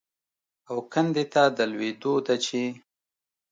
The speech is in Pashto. او کندې ته د لوېدو ده چې